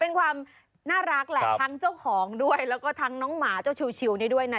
เป็นความน่ารักแหละทั้งเจ้าของด้วยแล้วก็ทั้งน้องหมาเจ้าชิวนี่ด้วยนะ